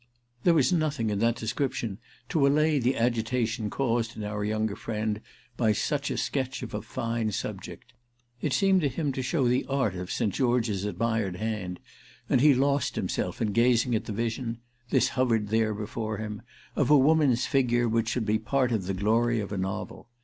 There was nothing in that description to allay the agitation caused in our younger friend by such a sketch of a fine subject. It seemed to him to show the art of St. George's admired hand, and he lost himself in gazing at the vision—this hovered there before him—of a woman's figure which should be part of the glory of a novel.